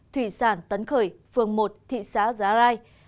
thủy sản tấn khởi phường một thị xã giá rai